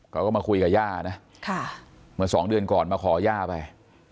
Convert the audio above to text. เขาก็มาคุยกับย่านะเมื่อสองเดือนก่อนมาขอย่าไป